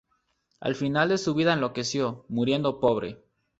Al final de su vida enloqueció, muriendo pobre.